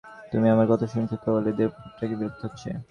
তুমি আমার কথা শুনছ তো ওলীদের পুত্র না কি বিরক্ত হচ্ছ?